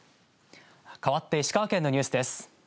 かわって石川県のニュースです。